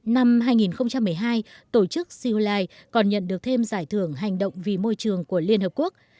năm hai nghìn một mươi hai tổ chức sihulai còn nhận được thêm giải thưởng hành động vì môi trường của liên hợp quốc